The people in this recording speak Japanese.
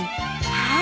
はい。